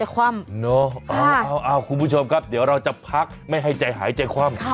คุณผู้ชมครับเดี๋ยวเราจะพักไม่ให้ใจหายใจคว่ำ